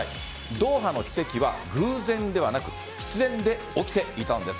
ドーハの奇跡は偶然ではなく必然で起きていたんです。